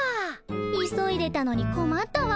急いでたのにこまったわ。